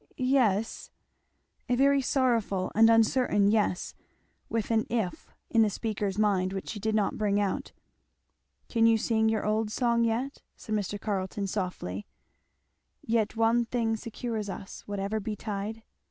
"Yes " A very sorrowful and uncertain "yes," with an "if" in the speaker's mind which she did not bring out. "Can you sing your old song yet, " said Mr. Carleton softly, "'Yet one thing secures us. Whatever betide?'"